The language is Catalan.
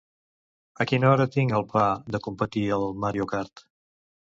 A quina hora tinc el pla de competir al "Mario kart"?